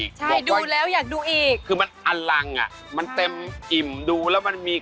คำร้อนรองกองไปทั่วไพรซี